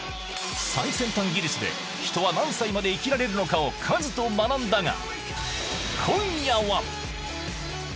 最先端技術で、人は何歳まで生きられるのかをカズと学んだが、今夜は！